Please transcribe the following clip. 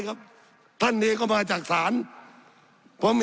สับขาหลอกกันไปสับขาหลอกกันไป